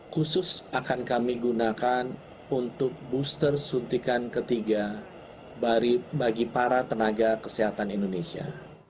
khusus akan kami gunakan untuk booster suntikan ketiga bagi para tenaga kesehatan indonesia